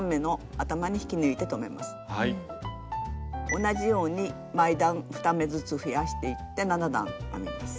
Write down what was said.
同じように前段２目ずつ増やしていって７段編みます。